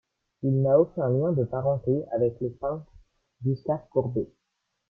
Il n'a aucun lien de parenté avec le peintre Gustave Courbet.